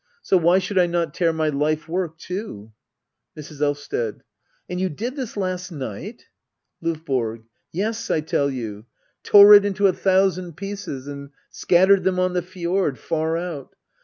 So why should I not tear my life work too ? Mrs. Elvsted. And you did this last night ? LoVBORO. Yes, I tell you ! Tore it into a thousand pieces — and scattered them on the fiord — far out.